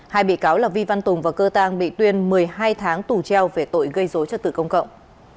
hai bị cáo là vi văn tùng và cơ tăng bị tuyên một mươi hai tháng tù treo về tội gây dối cho tự công cộng